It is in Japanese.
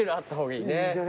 いいですよね。